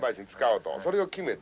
それを決めてね。